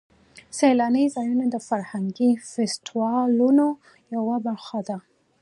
سیلاني ځایونه د فرهنګي فستیوالونو یوه برخه ده.